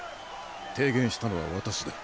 提言したのは私だ。